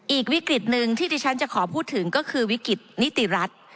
อีกวิกฤตหนึ่งที่ที่ฉันจะขอพูดถึงก็คือวิกฤตนิติรัฐ